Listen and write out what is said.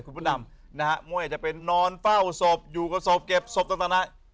คุณผู้นำนะฮะมวยจะเป็นนอนเป้าศพอยู่กับศพเก็บศพต่างต่างนั้น